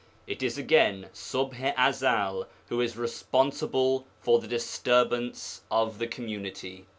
It is again Ṣubḥ i Ezel who is responsible for the disturbance of the community.